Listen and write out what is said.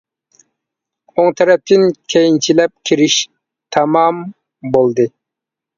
ئوڭ تەرەپتىن كەينىچىلەپ كىرىش تامام بولدى.